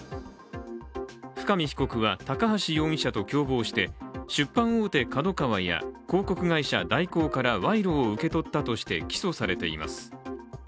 深見被告は、高橋容疑者と共謀して出版大手・ＫＡＤＯＫＡＷＡや広告会社・大広から賄賂を受け取ったとして起訴されています。